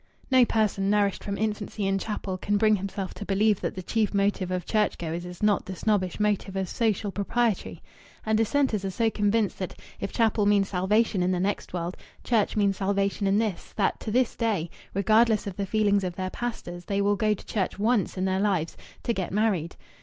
No person nourished from infancy in chapel can bring himself to believe that the chief motive of church goers is not the snobbish motive of social propriety. And dissenters are so convinced that, if chapel means salvation in the next world, church means salvation in this, that to this day, regardless of the feelings of their pastors, they will go to church once in their lives to get married.